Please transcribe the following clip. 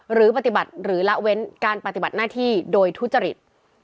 หรือปฏิบัติหรือละเว้นการปฏิบัติหน้าที่โดยทุจริต